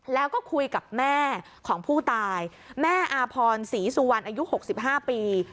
แล้วก็คุยกับแม่ของผู้ตายแม่อาพรศรีสุวรรณอายุ๖๕ปี